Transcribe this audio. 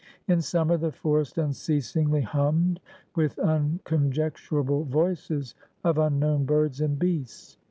In summer the forest unceasingly hummed with unconjecturable voices of unknown birds and beasts.